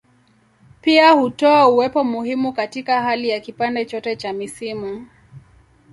Pia hutoa uwepo muhimu katika hali ya kipande chote cha misimu.